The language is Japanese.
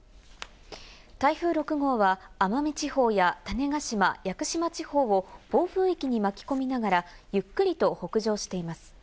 台風６号は奄美地方や種子島、屋久島地方を暴風域に巻き込みながら、ゆっくりと北上しています。